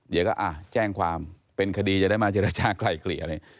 เดี๋ยวก็แจ้งความเป็นคดีจะได้มาเจรจากลายเกลี่ยอะไร